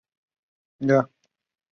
翁西厄人口变化图示